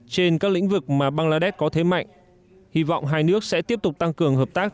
trên các lĩnh vực mà bangladesh có thế mạnh hy vọng hai nước sẽ tiếp tục tăng cường hợp tác